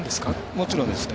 もちろんですね。